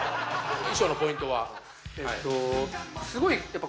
衣装のポイントは？